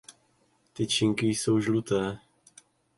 Tyčinky jsou žluté.